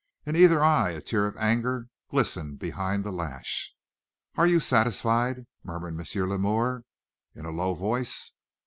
In either eye a tear of anger glistened behind the lash. "Are you satisfied?" murmured M. Lemaire, in a low voice.